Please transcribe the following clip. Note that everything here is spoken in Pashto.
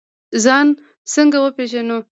ځان څنګه وپیژنو؟